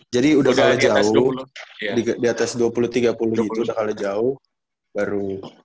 jadi udah kalah jauh di atas dua puluh tiga puluh itu udah kalah jauh baru